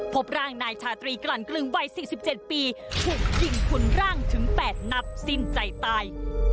พบร่างนายชาตรีกลั่นกลึงวัย๔๗ปีถูกยิงคุณร่างถึง๘นัดสิ้นใจตาย